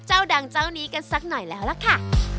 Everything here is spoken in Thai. เจ้าดังเจ้านี้กันสักหน่อยแล้วล่ะค่ะ